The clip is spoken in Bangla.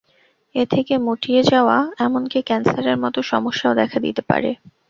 এ থেকে মুটিয়ে যাওয়া, এমনকি ক্যানসারের মতো সমস্যাও দেখা দিতে পারে।